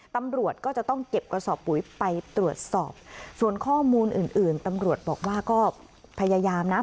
ตำรวจก็จะต้องเก็บกระสอบปุ๋ยไปตรวจสอบส่วนข้อมูลอื่นอื่นตำรวจบอกว่าก็พยายามนะ